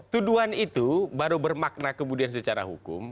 tuduhan itu baru bermakna kemudian secara hukum